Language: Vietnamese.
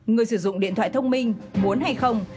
người sử dụng điện thoại thông minh muốn hay không